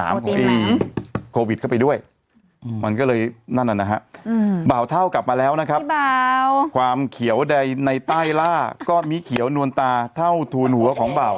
น้ำโควิดเข้าไปด้วยมันก็เลยนั่นน่ะฮะบ่าวเท่ากลับมาแล้วนะครับความเขียวในใต้ล่าก็มีเขียวนวลตาเท่าทวนหัวของบ่าว